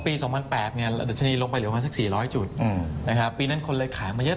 ๒๐๐๘เนี่ยดัชนีลงไปเหลือประมาณสัก๔๐๐จุดนะครับปีนั้นคนเลยขายมาเยอะ